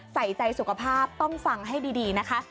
ใส่ใจสุขภาพต้องฟังให้ดีนะคะ